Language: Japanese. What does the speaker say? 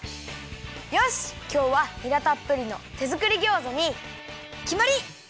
よしきょうはにらたっぷりの手作りギョーザにきまり！